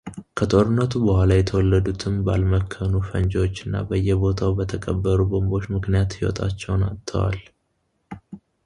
ከጦርነቱ በኋላ የተወለዱትም ባልመከኑ ፈንጂዎች እና በየቦታው በተቀበሩ ቦምቦች ምክንያት ሕይወታቸውን አጥተዋል።